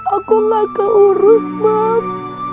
aku nggak keurus mams